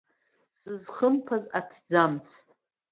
Сызхымԥаз аҭӡамц.